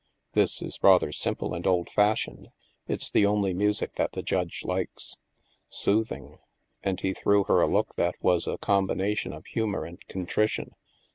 " This is rather simple and old fashioned ; it's the only music that the Judge likes." *' Soothing," and he threw her a look that was a combination of humor and contrition.